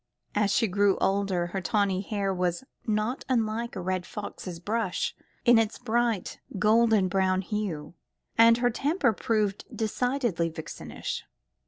As she grew older, her tawny hair was not unlike a red fox's brush in its bright golden brown hue, and her temper proved decidedly vixenish.